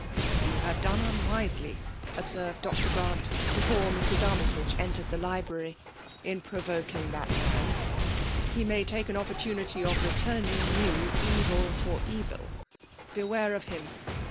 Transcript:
You hare done unwisely," observed Br. Grant, before Mrs. Armytage entered the Ubrary, ''in provoking that man. He may take an opportunity of returning you evil for eviL Beware of him.